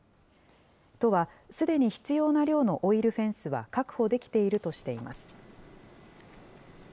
都は、すでに必要な量のオイルフェンスは確保できているとしています。